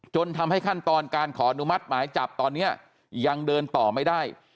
ทำให้ขั้นตอนการขออนุมัติหมายจับตอนนี้ยังเดินต่อไม่ได้